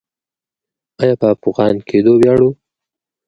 آیا په افغان کیدو ویاړو؟